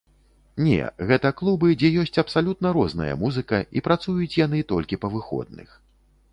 Не, гэта клубы, дзе ёсць абсалютна розная музыка, і працуюць яны толькі па выходных.